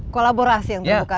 kolaborasi yang terbuka